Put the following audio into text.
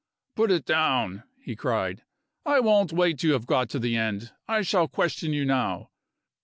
"Put it down!" he cried; "I won't wait till you have got to the end I shall question you now.